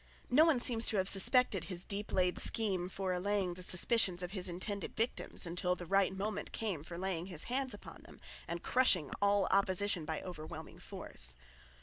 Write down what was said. No one seems to have suspected his deep laid scheme for allaying the suspicions of his intended victims until the right moment came for laying his hands upon them and crushing all opposition by overwhelming force.